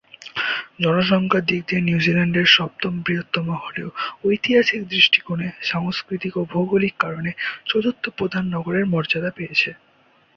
জনসংখ্যার দিক দিয়ে নিউজিল্যান্ডের সপ্তম বৃহত্তম হলেও ঐতিহাসিক দৃষ্টিকোণে, সাংস্কৃতিক ও ভৌগোলিক কারণে চতুর্থ প্রধান নগরের মর্যাদা পেয়েছে।